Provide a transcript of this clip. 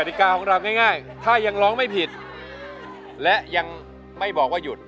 ติกาของเราง่ายถ้ายังร้องไม่ผิดและยังไม่บอกว่าหยุด